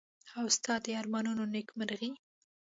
او ستا د ارمانونو نېکمرغي.